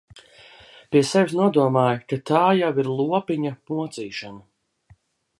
Pie sevis nodomāju, ka tā jau ir lopiņa mocīšana.